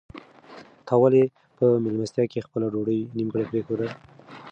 تا ولې په مېلمستیا کې خپله ډوډۍ نیمګړې پرېښوده؟